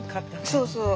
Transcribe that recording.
そうそう。